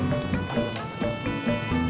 ntar ko r teacher satunya nih